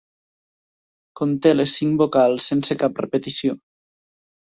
Conté les cinc vocals sense cap repetició.